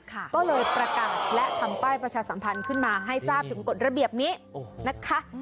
ก็เลยประกาศและทำป้ายประชาสัมพันธ์ขึ้นมาให้ทราบถึงกฎระเบียบนี้นะคะ